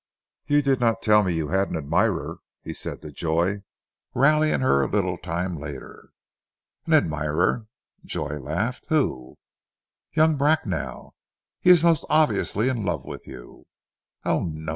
"You did not tell me you had an admirer," he said to Joy, rallying her a little time later. "An admirer!" Joy laughed. "Who " "Young Bracknell! He is most obviously in love with you." "Oh no!